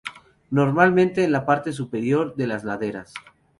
Normalmente en la parte superior de las laderas.